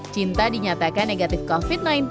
cinta dinyatakan negatif covid sembilan belas